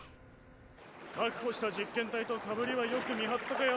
確保した実験体とカブリはよく見張っとけよ。